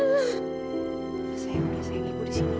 sayang ibu di sini ibu di sini